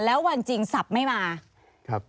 แล้ววันจริงสับไม่มา